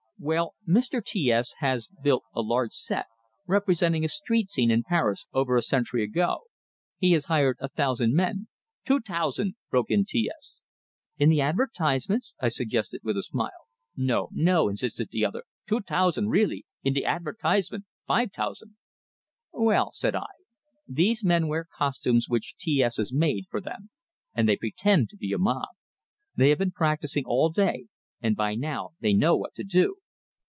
"Well, Mr. T S has built a large set, representing a street scene in Paris over a century ago. He has hired a thousand men " "Two tousand!" broke in T S. "In the advertisements?" I suggested, with a smile. "No, no," insisted the other. "Two tousand, really. In de advertisements, five tousand." "Well," said I, "these men wear costumes which T S has had made for them, and they pretend to be a mob. They have been practicing all day, and by now they know what to do.